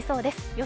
予想